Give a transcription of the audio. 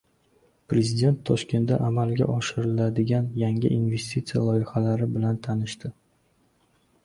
Prezident Toshkentda amalga oshiriladigan yangi investitsiya loyihalari bilan tanishdi